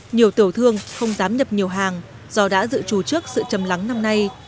nhiều tiểu thương không dám nhập nhiều hàng do đã dự trù trước sự chầm lắng năm nay